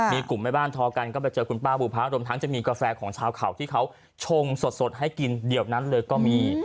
มีกลุ่มแม่บ้านทอกันก็ไปเจอคุณป้าบูพะรวมทั้งจะมีกาแฟของชาวเขาที่เขาชงสดให้กินเดี๋ยวนั้นเลยก็มี